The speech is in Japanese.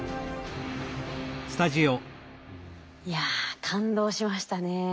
いや感動しましたね。